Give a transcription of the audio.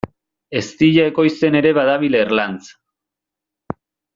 Eztia ekoizten ere badabil Erlanz.